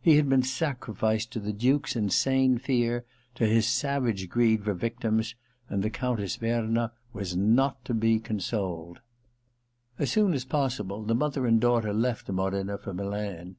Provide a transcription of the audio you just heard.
He had been sacrificed to the Duke's insane fear, to his savage greed for victims, and the Coimtess Verna was not to be consoled. As soon as possible, the mother and daughter left Modena for Milan.